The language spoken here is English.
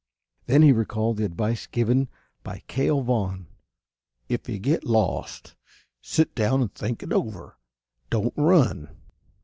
Then he recalled the advice given by Cale Vaughn: "If you get lost sit down and think it over. Don't run."